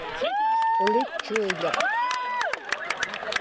ulitchuiḷak